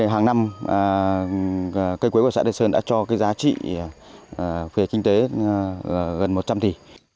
hàng năm cây quế của xã đài sơn đã cho giá trị về kinh tế gần một trăm linh tỷ